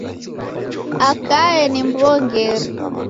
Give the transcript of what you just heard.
Akae ni m'w'ongeri.